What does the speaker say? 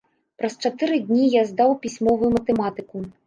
Праз чатыры дні я здаў пісьмовую матэматыку.